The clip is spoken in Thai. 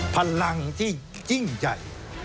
พลังที่จริงใจ